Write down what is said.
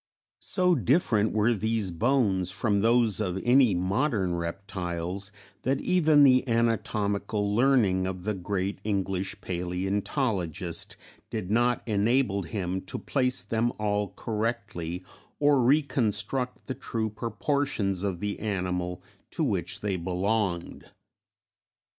So different were these bones from those of any modern reptiles that even the anatomical learning of the great English palaeontologist did not enable him to place them all correctly or reconstruct the true proportions of the animal to which they belonged.